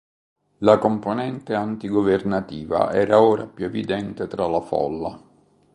La componente antigovernativa era ora più evidente tra la folla.